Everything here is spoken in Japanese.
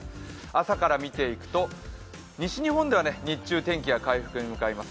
朝から見ていくと、西日本では日中、天気が回復に向かいます。